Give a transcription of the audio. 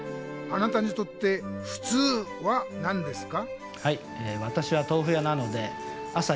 あなたにとって「ふつう」は何ですか？